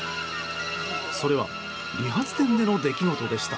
それは理髪店での出来事でした。